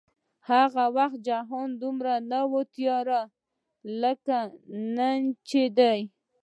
هغه وخت جهان دومره نه و تیاره لکه نن چې دی